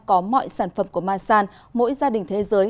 có mọi sản phẩm của masan mỗi gia đình thế giới